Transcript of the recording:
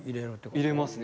入れますね。